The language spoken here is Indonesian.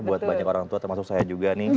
buat banyak orang tua termasuk saya juga nih